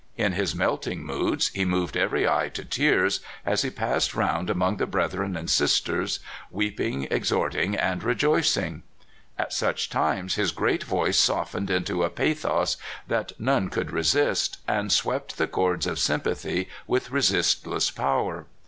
In his melting moods he moved every eye to tears, as he passed round among the brethren and sisters, weeping, exhorting, and re joicing. At such times, his great voice softened into a pathos that none could resist, and swept the chords of sympathy with resistless power.